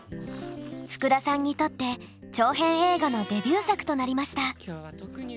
ふくださんにとって長編映画のデビュー作となりました。